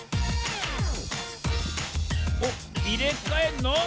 おっいれかえんの？